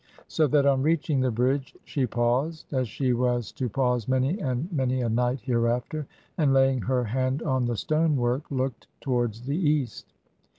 So that on reaching the Bridge she paused — ^as she was to pause many and many a night hereafter — ^and, laying her hand on the stonework, looked towards the east.